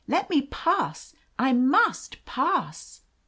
"Let me pass. I must pass."